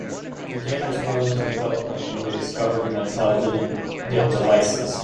The game was well into development when they discovered Mattel didn't get the license.